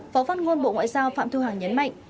phó phát ngôn bộ ngoại giao phạm thu hằng nhấn mạnh